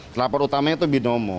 telapor utamanya itu binomo